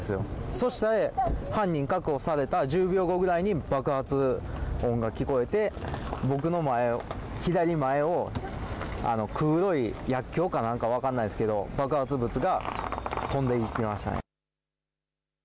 そして犯人確保された１０秒後ぐらいに爆発音が聞こえて僕の左前を、黒い薬きょうか何か分かんないですけど爆発物が飛んでいきました。